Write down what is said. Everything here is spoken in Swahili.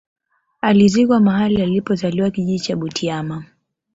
Alizikwa mahali alipo zaliwa kijiji cha Butiama